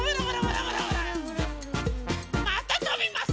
またとびます！